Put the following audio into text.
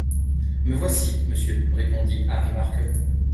Me voici, monsieur, répondit Harry Markel.